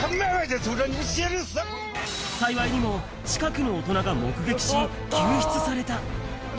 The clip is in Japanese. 幸いにも、近くの大人が目撃し、救出された。